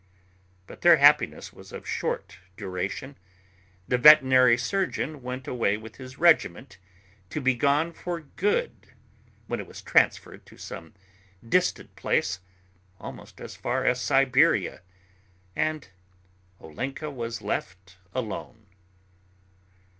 But their happiness was of short duration. The veterinary surgeon went away with his regiment to be gone for good, when it was transferred to some distant place almost as far as Siberia, and Olenka was left alone.